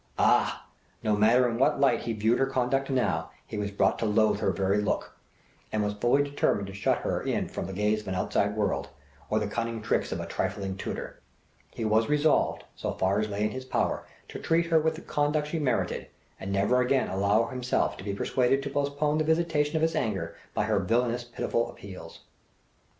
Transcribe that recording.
Ah! no matter in what light he viewed her conduct now he was brought to loathe her very look, and was fully determined to shut her in from the gaze of an outside world, or the cunning tricks of a trifling tutor. He was resolved, so far as lay in his power, to treat her with the conduct she merited, and never again allow himself to be persuaded to postpone the visitation of his anger by her villainous pitiful appeals.